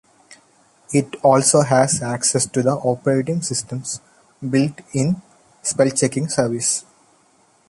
It also has access to the operating system's built-in spell-checking service.